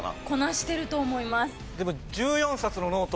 こなしてると思います。